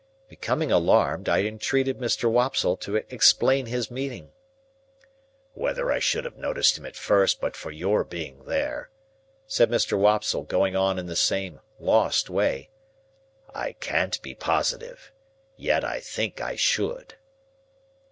Becoming alarmed, I entreated Mr. Wopsle to explain his meaning. "Whether I should have noticed him at first but for your being there," said Mr. Wopsle, going on in the same lost way, "I can't be positive; yet I think I should."